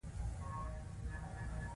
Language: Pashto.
هغه وايي چې کابل امیر باید وجنګیږي.